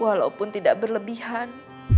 walaupun tidak berlebihan